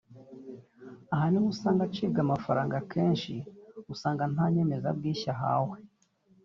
aha ho ni ho usanga acibwa amafaranga akenshi ugasanga nta nyemezabwishyu ahawe